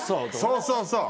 そうそうそう。